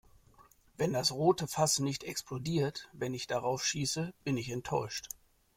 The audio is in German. Wenn das rote Fass nicht explodiert, wenn ich darauf schieße, bin ich enttäuscht.